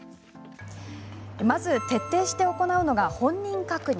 まず、徹底して行うのが本人確認。